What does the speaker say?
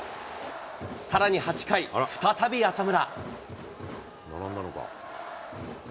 さらに８回、再び浅村。